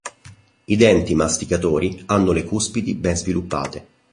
I denti masticatori hanno le cuspidi ben sviluppate.